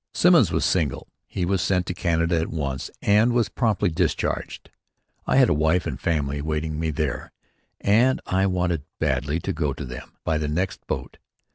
Simmons was single. He was sent to Canada at once and was promptly discharged. I had a wife and family awaiting me there and I wanted badly to go to them by the next boat.